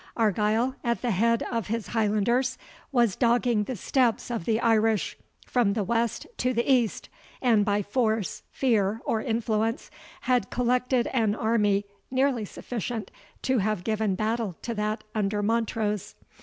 Argyle, at the head of his Highlanders, was dogging the steps of the Irish from the west to the east, and by force, fear, or influence, had collected an army nearly sufficient to have given battle to that under Montrose.